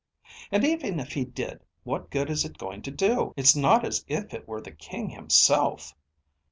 "And even if he did, what good is it going to do? It's not as if it were the king himself."